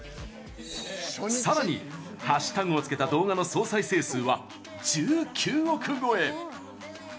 さらにハッシュタグをつけた動画の再生数は１９億超え。